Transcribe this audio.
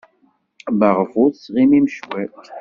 Maɣef ur tettɣimim cwiṭ?